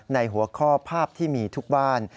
ในหัวข้อภาพที่มีทุกบ้าน